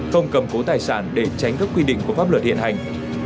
không cầm cố tài sản để tránh các quy định của pháp luật hiện hành